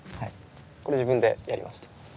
これ自分でやりました。